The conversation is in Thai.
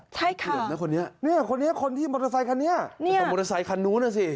ใช่ค่ะนี่คนนี้คนนี้มอเตอร์ไซค์คันนี้นี่มอเตอร์ไซค์คันนู้นน่ะสิ